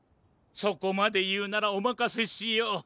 そこまでいうならおまかせしよう。